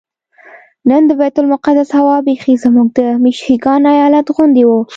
نن د بیت المقدس هوا بیخي زموږ د میشیګن ایالت غوندې وه.